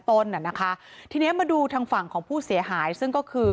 น่ะนะคะทีนี้มาดูทางฝั่งของผู้เสียหายซึ่งก็คือ